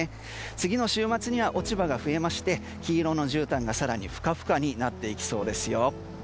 次の週末には落ち葉が増えまして黄色のじゅうたんが更にフカフカになっていきそうですよ。